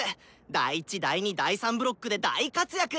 第１第２第３ブロックで大活躍！